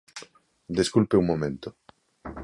Desculpe un momento.